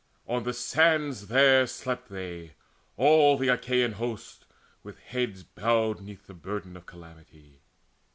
On the sands There slept they, all the Achaean host, with heads Bowed 'neath the burden of calamity.